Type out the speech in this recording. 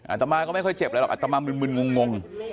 อาตมาก็ไม่ค่อยเจ็บอะไรหรอกอัตมามึนงง